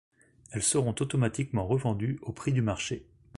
Elles seront automatiquement revendues au prix du marché.